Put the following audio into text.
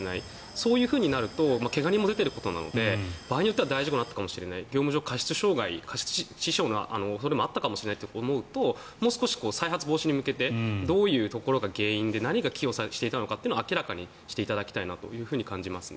そういうふうになると怪我人も出ていることなので場合によっては大事故になったかもしれない業務上過失致傷の恐れもあったかもしれないと思うともう少し再発防止に向けてどういうところが原因で何が寄与していたのかを明らかにしていただきたいと感じます。